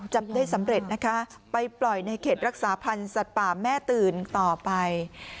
จับได้สำเร็จนะคะไปปล่อยในเขตรักษาพันธ์สัตว์ป่าแม่ตื่นต่อไป